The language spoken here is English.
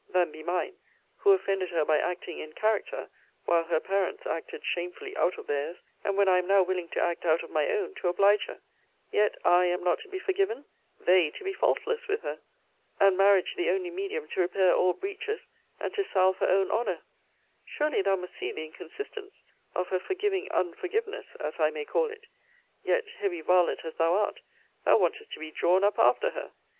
] than be mine, who offended her by acting in character, while her parents acted shamefully out of theirs, and when I am now willing to act out of my own to oblige her; yet I am not to be forgiven; they to be faultless with her! and marriage the only medium to repair all breaches, and to salve her own honour! Surely thou must see the inconsistence of her forgiving unforgiveness, as I may call it! yet, heavy varlet as thou art, thou wantest to be drawn up after her!